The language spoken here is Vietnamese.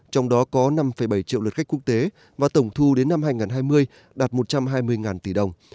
trong đó có năm bảy triệu lượt khách quốc tế và tổng thu đến năm hai nghìn hai mươi đạt một trăm hai mươi tỷ đồng